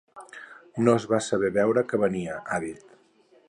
No es va saber veure què venia, ha dit.